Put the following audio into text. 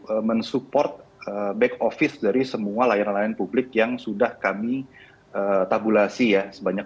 untuk mensupport back office dari semua layanan layanan publik yang sudah kami tabulasi ya sebanyak